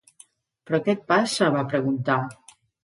"Però què et passa?", va preguntar.